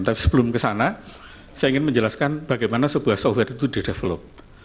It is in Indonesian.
tapi sebelum kesana saya ingin menjelaskan bagaimana sebuah software itu di develop